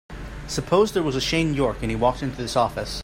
Suppose there was a Shane York and he walked into this office.